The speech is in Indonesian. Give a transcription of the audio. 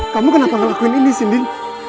kamu kenapa ngelakuin ini cindy